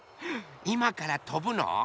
いまからとぶの？